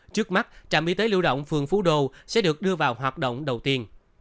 trước mắt trạm y tế lưu động phường phú đô sẽ được đưa vào hoạt động đầu tiên